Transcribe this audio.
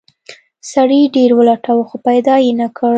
سړي ډیر ولټاوه خو پیدا یې نه کړ.